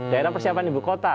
daerah persiapan ibu kota